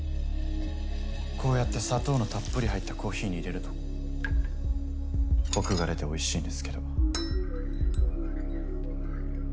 こうやって砂糖のたっぷり入ったコーヒーに入れるとコクが出ておいしいんですけど。